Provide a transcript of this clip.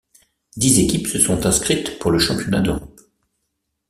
Dix équipes se sont inscrites pour le championnat d'Europe.